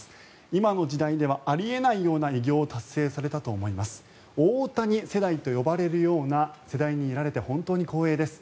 今の時代ではあり得ないような偉業を達成されたと思います大谷世代と呼ばれるような世代にいられて本当に光栄です